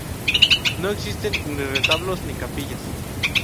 No existen ni retablos ni capillas.